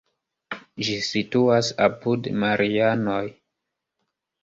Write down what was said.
Ĝi situas apud Marianoj.